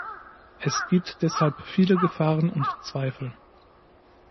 Es gibt deshalb viele Gefahren und Zweifel.